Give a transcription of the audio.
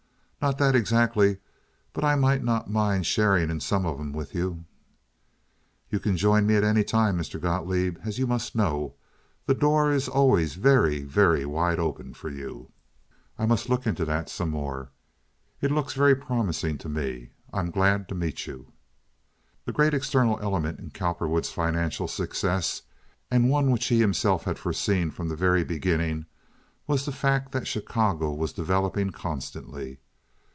"Not dot exzagly, but I might not mint sharink in some uff dem wit you." "You can join with me at any time, Mr. Gotloeb, as you must know. The door is always very, very wide open for you." "I musd look into dot some more. It loogs very promising to me. I am gladt to meet you." The great external element in Cowperwood's financial success—and one which he himself had foreseen from the very beginning—was the fact that Chicago was developing constantly.